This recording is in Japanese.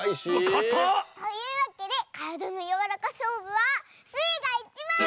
かたっ！というわけでからだのやわらかしょうぶはスイがいちばん！